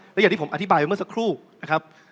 และอย่างที่ผมอธิบายไปเมื่อสักครู่นะครับ